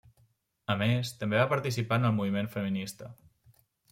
A més, també va participar en el moviment feminista.